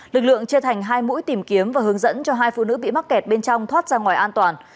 lực lượng chia thành hai mũi tìm kiếm và hướng dẫn cho hai phụ nữ bị mắc kẹt bên trong thoát ra ngoài an toàn